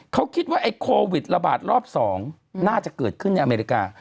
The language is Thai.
เขาคิดว่าไอ้โควิดระบาดรอบ๒น่าจะเกิดขึ้นในอเมริกา